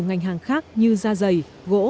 ngành hàng khác như da dày gỗ